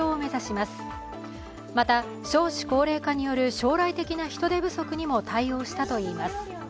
また、少子高齢化による将来的な人手不足にも対応したといいます。